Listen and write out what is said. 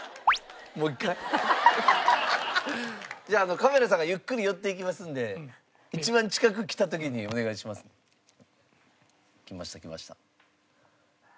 じゃあカメラさんがゆっくり寄っていきますんで一番近く来た時にお願いします。来ました来ました。